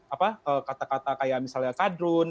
apa kata kata kayak misalnya kadrun